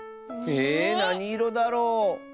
えなにいろだろ？